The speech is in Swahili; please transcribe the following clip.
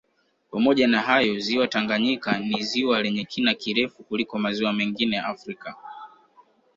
Pamoja na hayo ziwa Tanganyika ni ziwa lenye kina kirefu kuliko maziwa mengine Afrika